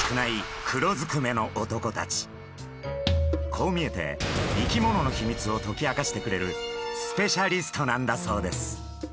こう見えて生き物のヒミツを解き明かしてくれるスペシャリストなんだそうです。